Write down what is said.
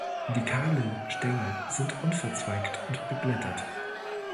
Die kahle Stängel sind unverzweigt und beblättert.